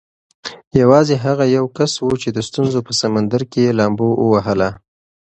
یوازې هغه یو کس و چې د ستونزو په سمندر کې یې لامبو ووهله.